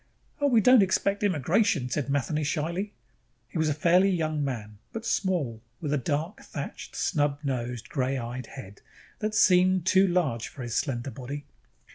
"Oh, we don't expect immigration," said Matheny shyly. He was a fairly young man, but small, with a dark thatched, snub nosed, gray eyed head that seemed too large for his slender body.